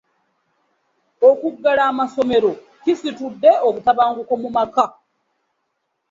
Okuggala amasomero kisitudde obutabanguko mu maka.